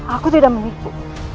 aku tidak menipu